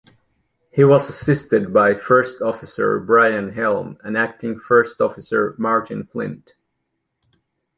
He was assisted by first officer Brian Helm and acting first officer Martin Flint.